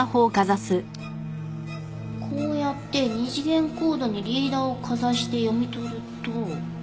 こうやって二次元コードにリーダーをかざして読み取ると。